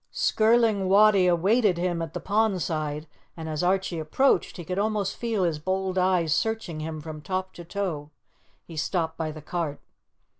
Skirling Wattie awaited him at the pond side, and as Archie approached, he could almost feel his bold eyes searching him from top to toe. He stopped by the cart.